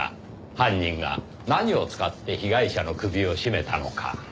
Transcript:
犯人が何を使って被害者の首を絞めたのか。